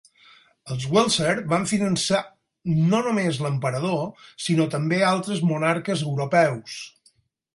Els Welser van finançar no només l'emperador, sinó també altres monarques europeus.